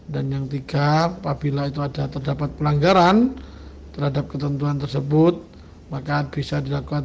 dan yang tiga apabila itu ada terdapat pelanggaran terhadap ketentuan tersebut maka bisa dilakukan